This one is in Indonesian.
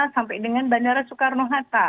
sampai dengan bandara soekarno hatta